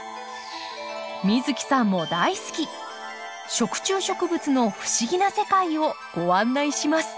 美月さんも大好き食虫植物の不思議な世界をご案内します。